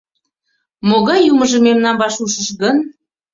— Могай Юмыжо мемнам ваш ушыш гын?